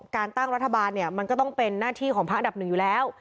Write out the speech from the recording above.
การตั้งรัฐบาลเนี่ยมันก็ต้องเป็นหน้าที่ของพักอันดับหนึ่งอยู่แล้ว